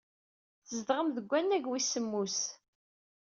Tzedɣem deg wannag wis semmus.